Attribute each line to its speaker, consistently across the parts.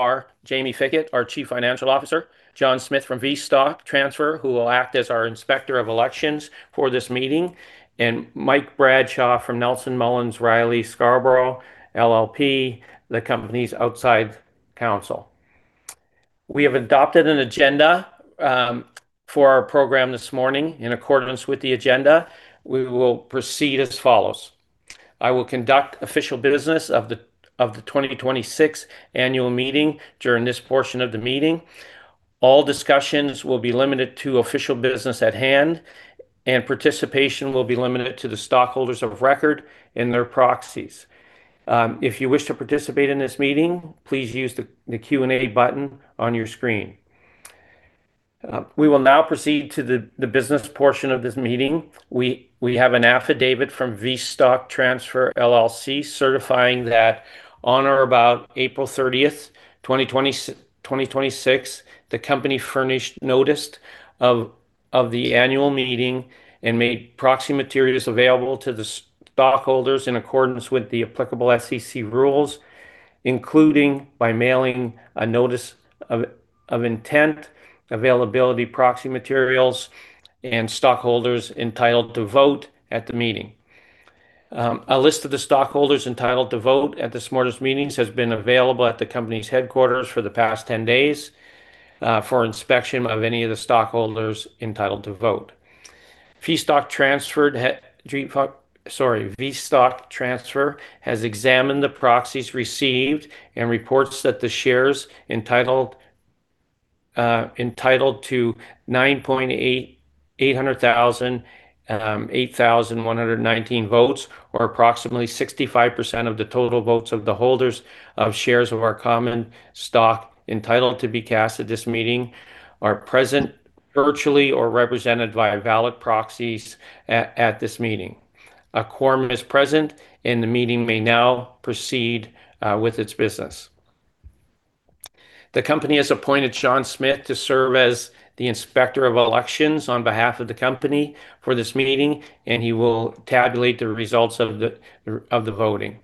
Speaker 1: Are Jaime Fickett, our Chief Financial Officer, John Smith from VStock Transfer, who will act as our Inspector of Elections for this meeting, and Mike Bradshaw from Nelson Mullins Riley & Scarborough LLP, the company's outside counsel. We have adopted an agenda for our program this morning. In accordance with the agenda, we will proceed as follows. I will conduct official business of the 2026 annual meeting during this portion of the meeting. All discussions will be limited to official business at hand, and participation will be limited to the stockholders of record and their proxies. If you wish to participate in this meeting, please use the Q&A button on your screen. We will now proceed to the business portion of this meeting. We have an affidavit from VStock Transfer, LLC certifying that on or about April 30th, 2026, the company furnished notice of the annual meeting and made proxy materials available to the stockholders in accordance with the applicable SEC rules, including by mailing a notice of intent, availability, proxy materials, and stockholders entitled to vote at the meeting. A list of the stockholders entitled to vote at this morning's meeting has been available at the company's headquarters for the past 10 days for inspection of any of the stockholders entitled to vote. VStock Transfer has examined the proxies received and reports that the shares entitled to 9,808,119 votes, or approximately 65% of the total votes of the holders of shares of our common stock entitled to be cast at this meeting, are present virtually or represented via valid proxies at this meeting. A quorum is present, and the meeting may now proceed with its business. The company has appointed John Smith to serve as the Inspector of Elections on behalf of the company for this meeting, and he will tabulate the results of the voting.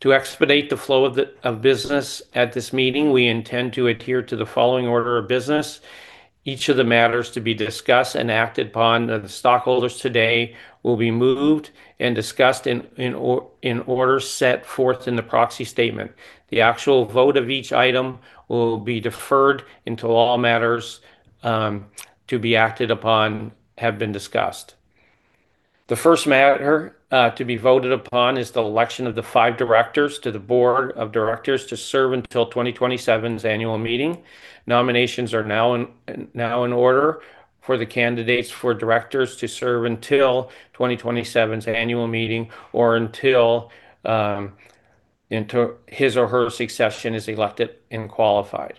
Speaker 1: To expedite the flow of business at this meeting, we intend to adhere to the following order of business. Each of the matters to be discussed and acted upon of the stockholders today will be moved and discussed in order set forth in the proxy statement. The actual vote of each item will be deferred until all matters to be acted upon have been discussed. The first matter to be voted upon is the election of the five directors to the board of directors to serve until 2027's annual meeting. Nominations are now in order for the candidates for directors to serve until 2027's annual meeting or until his or her succession is elected and qualified.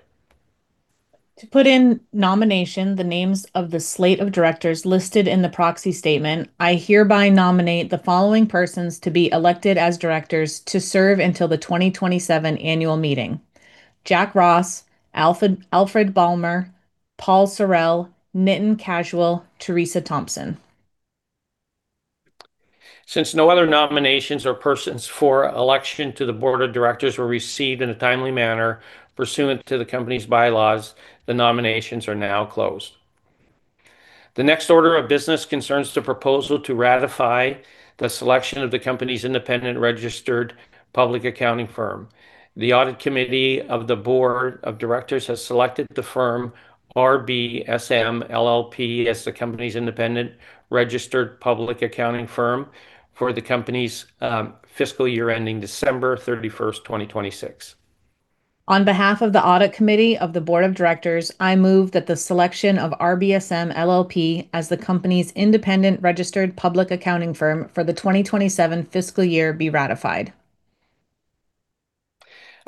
Speaker 2: To put in nomination the names of the slate of directors listed in the proxy statement, I hereby nominate the following persons to be elected as directors to serve until the 2027 annual meeting: Jack Ross, Alfred Baumeler, Paul SoRelle, Nitin Kaushal, Teresa Thompson.
Speaker 1: Since no other nominations or persons for election to the board of directors were received in a timely manner pursuant to the company's bylaws, the nominations are now closed. The next order of business concerns the proposal to ratify the selection of the company's independent registered public accounting firm. The audit committee of the board of directors has selected the firm RBSM LLP as the company's independent registered public accounting firm for the company's fiscal year ending December 31st, 2026.
Speaker 2: On behalf of the audit committee of the board of directors, I move that the selection of RBSM LLP as the company's independent registered public accounting firm for the 2027 fiscal year be ratified.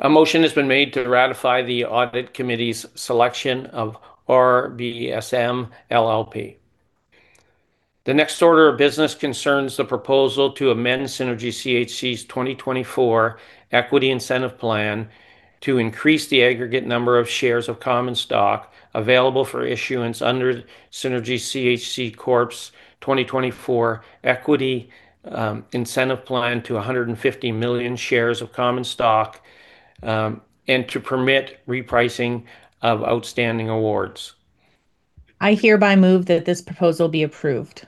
Speaker 1: A motion has been made to ratify the audit committee's selection of RBSM LLP. The next order of business concerns the proposal to amend Synergy CHC's 2024 Equity Incentive Plan to increase the aggregate number of shares of common stock available for issuance under Synergy CHC Corp's 2024 Equity Incentive Plan to 150 million shares of common stock and to permit repricing of outstanding awards.
Speaker 2: I hereby move that this proposal be approved.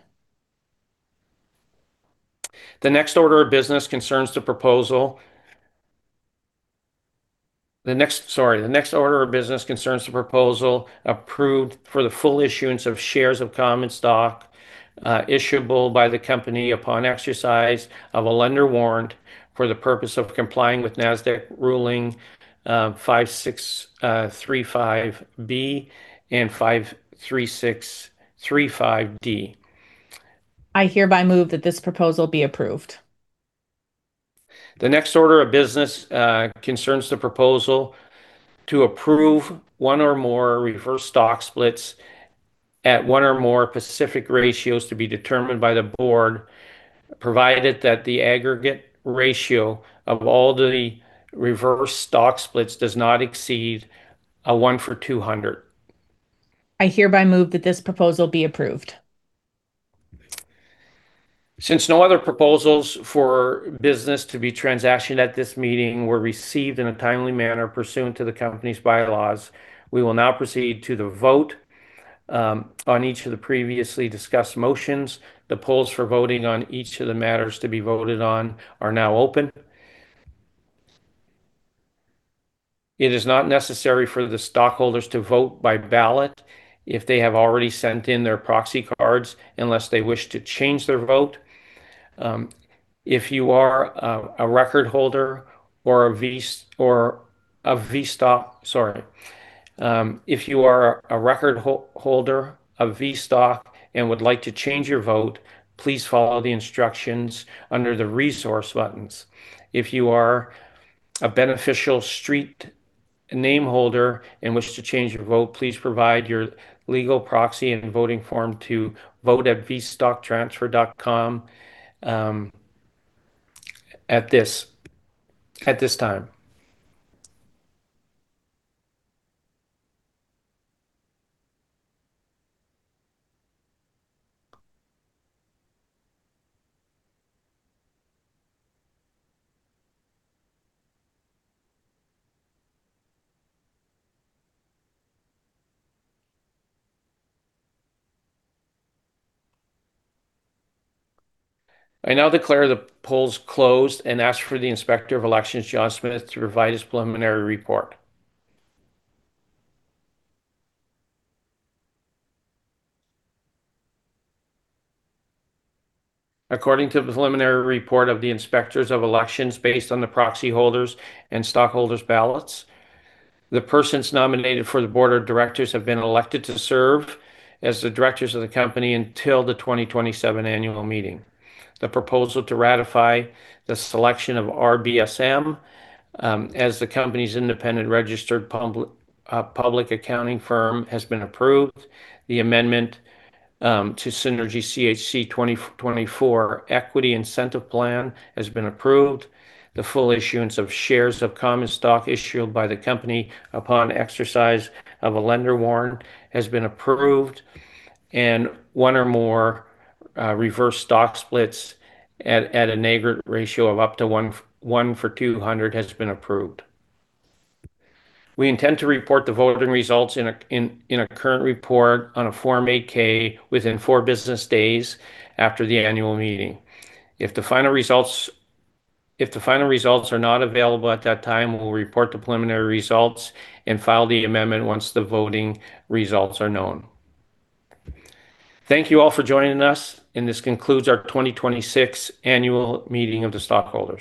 Speaker 1: The next order of business concerns the proposal approved for the full issuance of shares of common stock issuable by the company upon exercise of a lender warrant for the purpose of complying with Nasdaq Rule 5635(b) and 5635(d).
Speaker 2: I hereby move that this proposal be approved.
Speaker 1: The next order of business concerns the proposal to approve one or more reverse stock splits at one or more specific ratios to be determined by the board, provided that the aggregate ratio of all the reverse stock splits does not exceed a one for 200.
Speaker 2: I hereby move that this proposal be approved.
Speaker 1: Since no other proposals for business to be transacted at this meeting were received in a timely manner pursuant to the company's bylaws, we will now proceed to the vote on each of the previously discussed motions. The polls for voting on each of the matters to be voted on are now open. It is not necessary for the stockholders to vote by ballot if they have already sent in their proxy cards, unless they wish to change their vote. If you are a record holder of VStock and would like to change your vote, please follow the instructions under the resource buttons. If you are a beneficial street name holder and wish to change your vote, please provide your legal proxy and voting form to vote@vstocktransfer.com at this time. I now declare the polls closed and ask for the Inspector of Elections, John Smith, to provide his preliminary report. According to the preliminary report of the Inspectors of Elections, based on the proxy holders' and stockholders' ballots, the persons nominated for the board of directors have been elected to serve as the directors of the company until the 2027 annual meeting. The proposal to ratify the selection of RBSM as the company's independent registered public accounting firm has been approved. The amendment to Synergy CHC 2024 Equity Incentive Plan has been approved. The full issuance of shares of common stock issued by the company upon exercise of a lender warrant has been approved, and one or more reverse stock splits at a negative ratio of up to one for 200 has been approved. We intend to report the voting results in a current report on a Form 8-K within four business days after the annual meeting. If the final results are not available at that time, we'll report the preliminary results and file the amendment once the voting results are known. Thank you all for joining us, and this concludes our 2026 annual meeting of the stockholders.